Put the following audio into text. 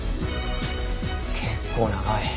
結構長い。